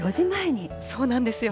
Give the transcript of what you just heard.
そうなんですよ。